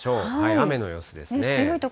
雨の様子ですね。